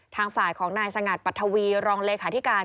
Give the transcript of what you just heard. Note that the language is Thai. ทางฝ่ายของนายสงัดปัทวีรองเลขาธิการ